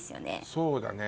そうだね。